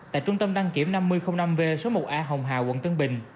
tại trung tâm đăng kiểm năm mươi năm v số một a hồng hà quận tân bình